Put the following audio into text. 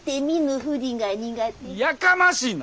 やかましいな！